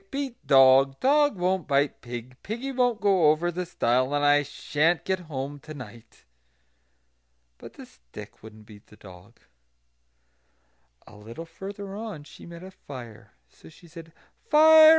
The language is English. beat dog! dog won't bite pig; piggy won't go over the stile; and I sha'n't get home to night." But the stick wouldn't beat the dog. A little further on she met a fire. So she said: "Fire!